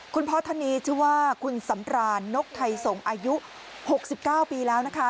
คุณพ่อทะนีชื่อว่าคุณสำลาดนกไทยสมอายุ๖๙ปีแล้วนะคะ